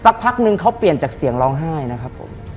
พักนึงเขาเปลี่ยนจากเสียงร้องไห้นะครับผม